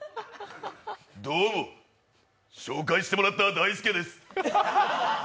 どうも、紹介してもらったダイスケです。